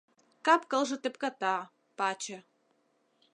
Кап-кылже тӧпката, паче.